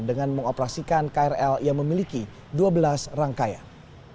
dengan mengoperasikan krl yang memiliki dua belas rangkaian